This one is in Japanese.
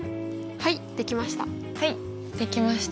はい出来ました。